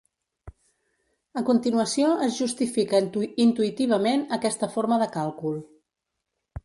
A continuació es justifica intuïtivament aquesta forma de càlcul.